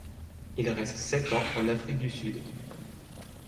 Il reste sept ans en Afrique du Sud.